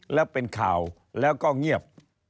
แล้วเป็นข่าวแล้วก็เงียบ